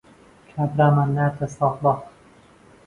کابرامان ناردە سابڵاغ.